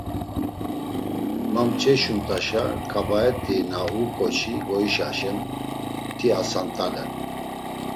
Ma mç̌eşumt̆aşa, ǩabaet̆i na u ǩoçi goişaşen, ti asant̆alen.